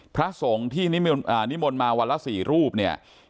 พระสงฆ์ที่นิมนต์มาวันละ๔รูปเนี่ย